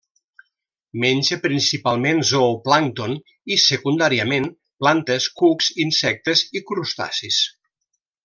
Menja principalment zooplàncton i, secundàriament, plantes, cucs, insectes i crustacis.